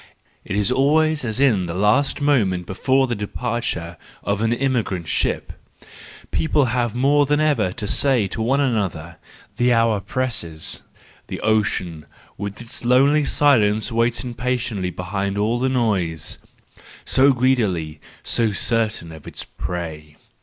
It is always as in the last moment before the departure of an emi¬ grant ship : people have more than ever to say to one another, the hour presses, the ocean with its lonely silence waits impatiently behind all the noise—so greedy, so certain of its prey!